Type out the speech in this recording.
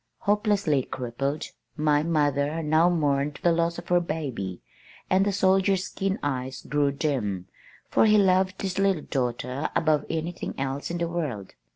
Hopelessly crippled, my mother now mourned the loss of her "baby" and the soldier's keen eyes grew dim, for he loved this little daughter above anything else in the world.